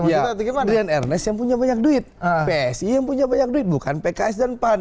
kita rian ernest yang punya banyak duit psi yang punya banyak duit bukan pks dan pan